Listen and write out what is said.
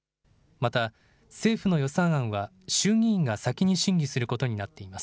また、政府の予算案は、衆議院が先に審議することになっています。